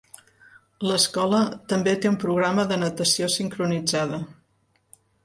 L'escola també té un programa de natació sincronitzada.